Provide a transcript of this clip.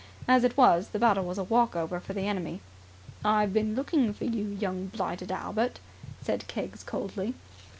As it was, the battle was a walk over for the enemy. "I've been looking for you, young blighted Albert!" said Keggs coldly.